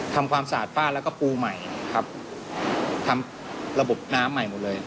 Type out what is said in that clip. ทำความสะอาดฟาดแล้วก็ปูใหม่ครับทำระบบน้ำใหม่หมดเลย